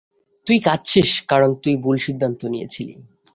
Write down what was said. তুই কাঁদছিস কারণ তুই ভুল সিদ্ধান্ত নিয়েছিলি।